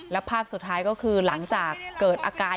และภาพสุดท้ายก็คือหลังจากเกิดอาการ